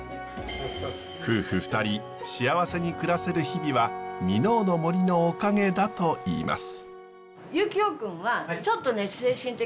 夫婦２人幸せに暮らせる日々は箕面の森のおかげだといいます。